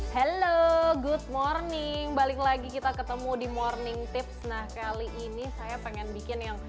halo good morning balik lagi kita ketemu di morning tips nah kali ini saya pengen bikin yang